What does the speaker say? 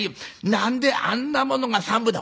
何であんなものが３分だ？」。